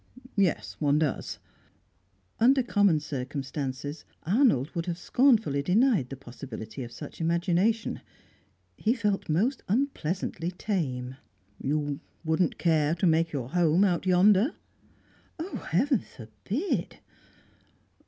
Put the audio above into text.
"Yes, one does." Under common circumstances, Arnold would have scornfully denied the possibility of such imagination. He felt most unpleasantly tame. "You wouldn't care to make your home out yonder?" "Heaven forbid!"